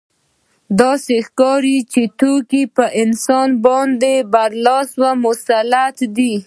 داسې ښکاري چې توکي په انسان باندې برلاسي او مسلط دي